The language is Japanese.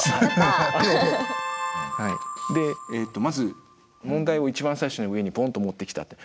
まず問題を一番最初に上にポンっと持ってきた。